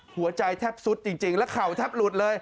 หัวใจแทบสุดจริงแล้วเข่าแทบหลุดเลย